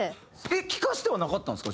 聴かせてはなかったんですか？